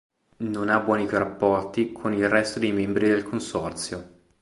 Non ha buoni rapporti con il resto dei membri del Consorzio.